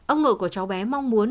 ông nội của cháu bé mong muốn